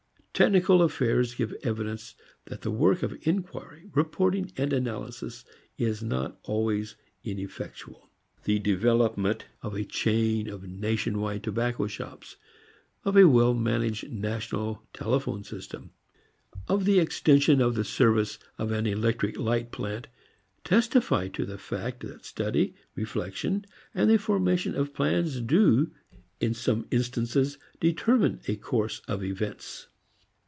Technical affairs give evidence that the work of inquiry, reporting and analysis is not always ineffectual. The development of a chain of "nation wide" tobacco shops, of a well managed national telephone system, of the extension of the service of an electric light plant testify to the fact that study, reflection and the formation of plans do in some instances determine a course of events.